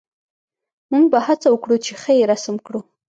موږ به هڅه وکړو چې ښه یې رسم کړو